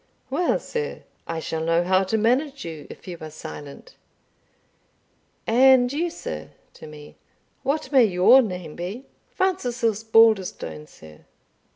"Well, sir, I shall know how to manage you if you are silent And you, sir" (to me), "what may your name be?" "Francis Osbaldistone, sir."